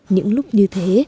những lúc như thế